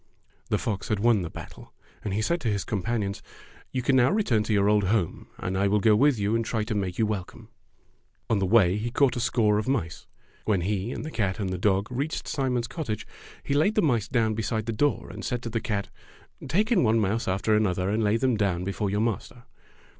The fox had won the battle, and he said to his companions, ''You can now return to your old home and I will go with you and try to make you welcome." On the way he caught a score of mice. When he and the cat and the dog reached Simon's cottage he laid the mice down be side the door and said to the cat, "Take in one mouse after another and lay them down before your master."